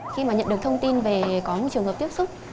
khi mà nhận được thông tin về có một trường hợp tiếp xúc